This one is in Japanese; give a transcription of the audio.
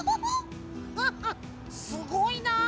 ハハッすごいな。